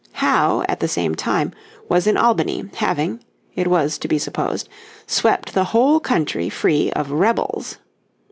Howe, at the same time, was in Albany, having, it was to be supposed, swept the whole country free of "rebels."